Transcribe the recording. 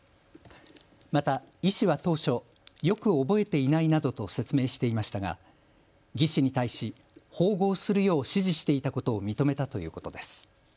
また、医師は当初、よく覚えていないなどと説明していましたが技士に対し縫合するよう指示していたことを認めたということです。